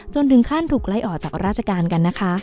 จนถึงขั้นถูกไล่ออกจากราชการกันนะคะ